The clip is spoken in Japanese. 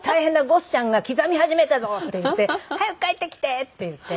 ゴスちゃんが刻み始めたぞ」って言って「早く帰ってきて」って言って。